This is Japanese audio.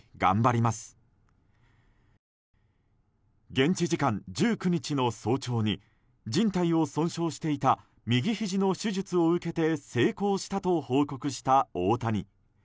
現地時間１９日の早朝にじん帯を損傷していた右ひじの手術を受けて成功したと報告した大谷。